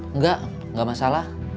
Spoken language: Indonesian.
enggak enggak masalah